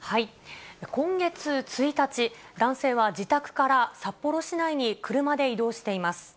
今月１日、男性は自宅から札幌市内に車で移動しています。